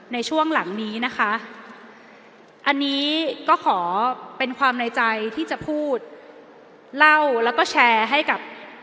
ในช่วงหลังนี้นะคะอันนี้ก็ขอเป็นความในใจที่จะพูดเล่าแล้วก็แชร์ให้กับ